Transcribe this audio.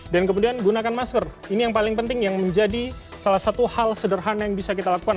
dan kemudian gunakan masker ini yang paling penting yang menjadi salah satu hal sederhana yang bisa kita lakukan